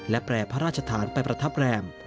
และแปลผัรชฐานไปประทับแรม